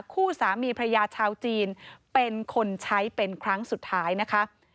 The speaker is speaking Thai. คู่สามีพระยาชาวจีนเป็นคนใช้เป็นครั้งสุดท้ายนะคะ